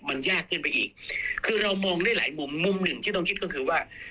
มันยากขึ้นไปอีกคือเรามองได้หลายมุมมุมหนึ่งที่ต้องคิดก็คือว่า